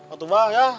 itu mbak ya